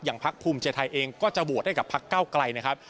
พักภูมิใจไทยเองก็จะโหวตให้กับพักเก้าไกลนะครับ